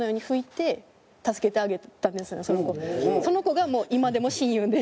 その子が今でも親友で。